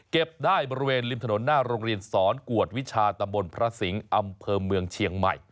เก็บได้บริเวณริมถนนหน้าโรงเรียนสอนกวดวิชาตำบลพระสิงศ์อำเภอเมืองเชียงใหม่